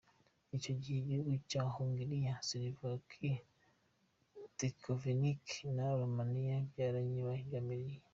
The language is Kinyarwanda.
Ico gihe ibihugu vya Hongrie, Slovaquie, Tchécoslovaquie na Roumanie vyaravyiyamirije.